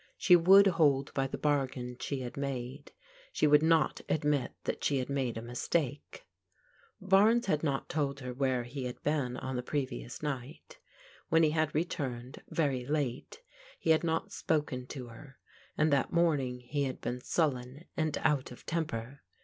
She would hold by the bargain she had made. She would not admit that she had made a mistake. Barnes had not told her where he had been on the pre vious night. When he had returned, very late, he had not spoken to her, and that morning he had been sullen and out of temper.